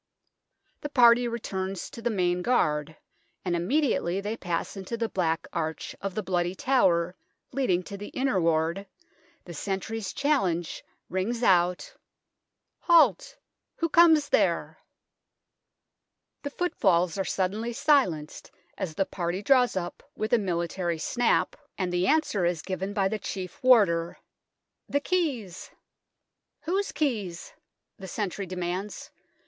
The party returns to the Main Guard, and immediately they pass into the black arch of the Bloody Tower leading to the Inner Ward, the sentry's challenge rings out " Halt ! Who comes there ?" The footfalls are suddenly silenced as the party draws up with a military snap, 146 THE TOWER OF LONDON and the answer is given by the Chief Warder :" The keys." " WTiose keys ?" the sentry demands.